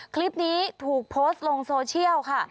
คลิปนี้ถูกโพสต์ลงโซเชียลค่ะ